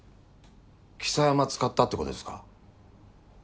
象山使ったってことですか？